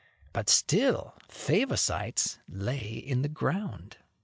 But still Favosites lay in the ground.